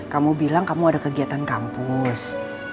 kamu bilang kamu ada kegiatan kampus